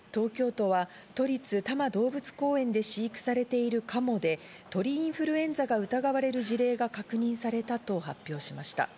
東京都は都立多摩動物公園で飼育されているカモで、鳥インフルエンザが疑われる事例が確認されたと発表しました。